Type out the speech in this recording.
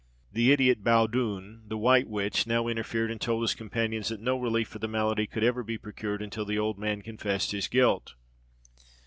The idiot Baudouin, the white witch, now interfered, and told his companions that no relief for the malady could ever be procured until the old man confessed his guilt.